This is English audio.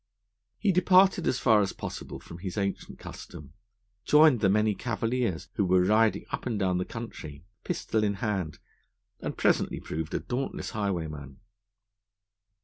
He departed as far as possible from his ancient custom, joined the many cavaliers, who were riding up and down the country, pistol in hand, and presently proved a dauntless highwayman.